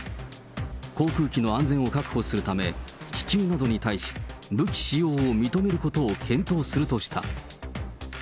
航空機の安全を確保するため、気球などに対し、武器使用を認めることを検討するとした。